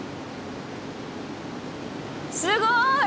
すごい！